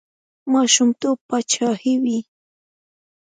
ماشومتوب پاچاهي وي.